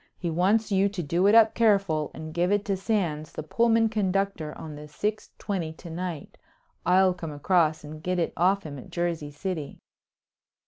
He wants you to do it up careful and give it to Sands the Pullman conductor on the six twenty to night. I'll come across and get it off him at Jersey City."